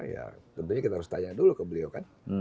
ya tentunya kita harus tanya dulu ke beliau kan